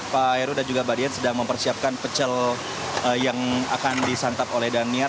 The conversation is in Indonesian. pak heru dan juga mbak dian sedang mempersiapkan pecel yang akan disantap oleh daniar